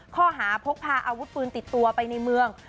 ข้อหาพกพาอาวุธปืนติดตัวไปในเมือง